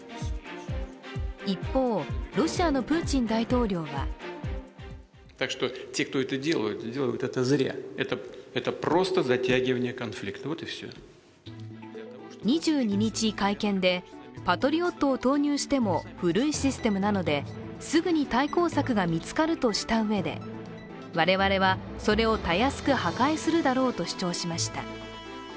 一方、ロシアのプーチン大統領は２２日、会見でパトリオットを投入しても古いシステムなので、すぐに対抗策が見つかるとしたうえで我々は、それをたやすく破壊するだろうと主張しました。